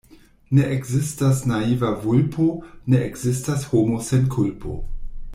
Ne ekzistas naiva vulpo, ne ekzistas homo sen kulpo.